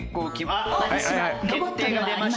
あっ決定が出ました。